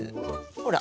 ほら。